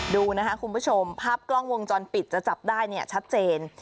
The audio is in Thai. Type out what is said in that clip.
ดูนะคะคุณผู้ชมภาพกล้องวงจรปิดจะจับได้เนี่ยชัดเจน